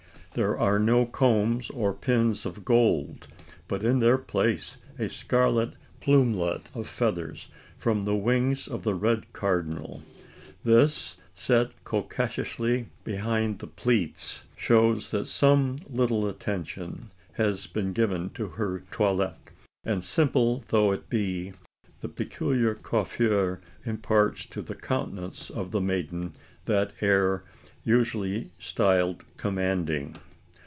There are no combs or pins of gold, but in their place a scarlet plumelet of feathers from the wings of the red cardinal. This, set coquettishly behind the plaits, shows that some little attention has been given to her toilet; and simple though it be, the peculiar coiffure imparts to the countenance of the maiden that air usually styled "commanding."